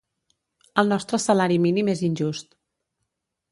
El nostre salari mínim és injust.